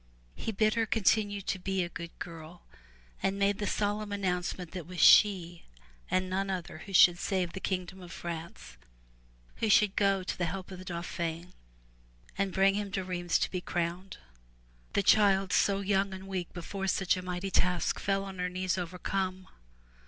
He bade her continue to be a good girl and made the solemn announcement that it was she and none other who should save the kingdom of France, who should go to the help of the Dauphin and bring him to Rheims to be crowned. The child, so young and weak before such a mighty task, fell on her knees overcome.